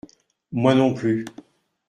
Moi non plus.